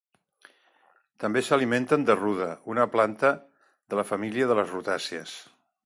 També s'alimenten de ruda, una planta de la família de les rutàcies.